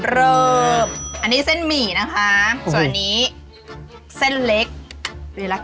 เริ่มอันนี้เส้นหมี่นะคะส่วนนี้เส้นเล็กรีละค่ะ